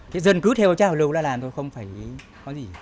thế dân cứ theo trào lưu ra làm thôi không phải có gì